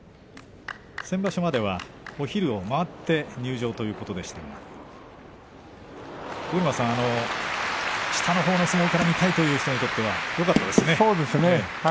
先場所まではお昼を回って入場ということでしたが下のほうの相撲を見たいというファンが多かったですよね。